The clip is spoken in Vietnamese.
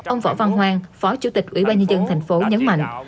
ông võ văn hoang phó chủ tịch ủy ban nhân dân thành phố nhấn mạnh